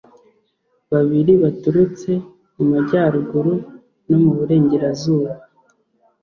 Babiri baturutse mu majyaruguru no mu burengerazuba